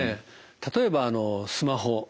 例えばスマホ。